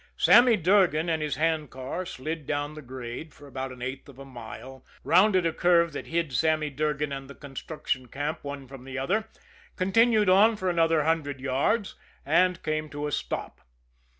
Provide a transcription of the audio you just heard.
Sammy Durgan and his handcar slid down the grade for about an eighth of a mile rounded a curve that hid Sammy Durgan and the construction camp one from the other, continued on for another hundred yards and came to a stop.